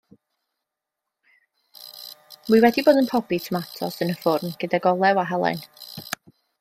Wi wedi bod yn pobi tomatos yn y ffwrn gydag olew a halen.